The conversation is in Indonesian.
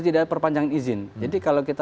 tidak perpanjangan izin jadi kalau kita